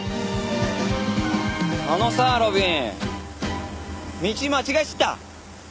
あのさ路敏道間違えちゃった。